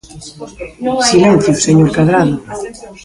¡Silencio, señor Cadrado!